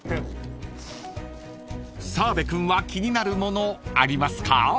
［澤部君は気になるものありますか？］